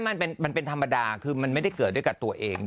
มันเป็นธรรมดาคือมันไม่ได้เกิดด้วยกับตัวเอง